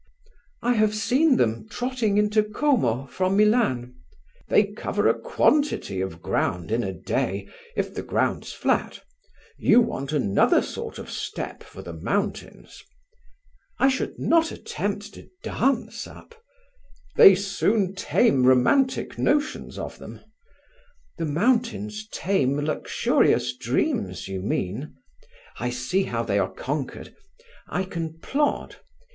"I have seen them trotting into Como from Milan." "They cover a quantity of ground in a day, if the ground's flat. You want another sort of step for the mountains." "I should not attempt to dance up." "They soon tame romantic notions of them." "The mountains tame luxurious dreams, you mean. I see how they are conquered. I can plod.